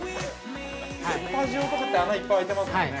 ◆スタジオとかって穴いっぱいあいてますもんね。